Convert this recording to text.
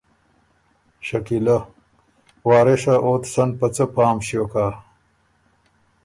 شکیلۀ: وارثا اوت سن په څۀ پام ݭیوک هۀ۔